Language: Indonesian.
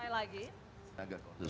mas sarai lagi